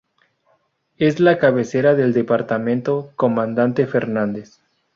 Es la cabecera del departamento Comandante Fernández.